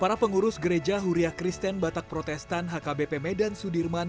para pengurus gereja huria kristen batak protestan hkbp medan sudirman